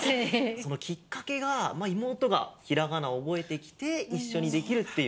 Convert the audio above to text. そのきっかけがいもうとがひらがなおぼえてきていっしょにできるっていう。